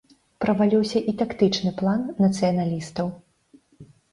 Праваліўся і тактычны план нацыяналістаў.